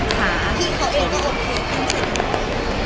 อย่างไรก็ได้หมด